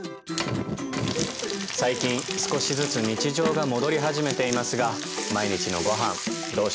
最近少しずつ日常が戻り始めていますが毎日のごはんどうしていますか？